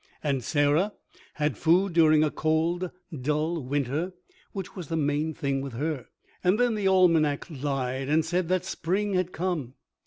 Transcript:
And Sarah had food during a cold, dull winter, which was the main thing with her. And then the almanac lied, and said that spring had come.